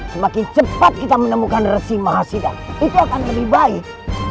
semakin cepat kita menemukan resi mahasida itu akan lebih baik